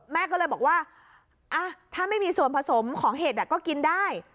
แม่ก็เลยบอกว่าถ้าไม่มีส่วนผสมของเห็ดก็กินได้